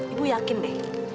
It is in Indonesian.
ibu yakin deh